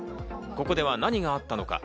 ここでは何があったのか？